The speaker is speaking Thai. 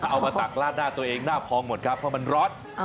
เอามาตักลาดหน้าตัวเองหน้าพองหมดครับเพราะมันร้อน